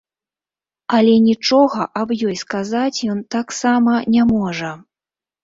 Але нічога аб ёй сказаць ён таксама не можа.